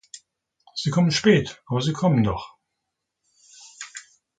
Sie kommen spät, aber sie kommen doch.